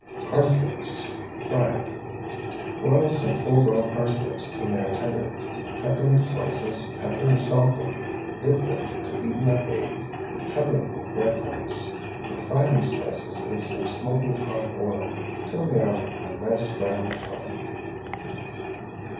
PARSNIPS, FRIED. Boil some full grown parsnips till they are tender, cut them into slices, pepper and salt them, dip them into beaten up egg, and cover them with bread crumbs, and fry these slices in some smoking hot oil till they are a nice brown colour.